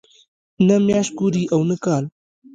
نه میاشت ګوري او نه کال.